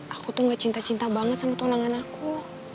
aku tuh gak cinta cinta banget sama tunangan aku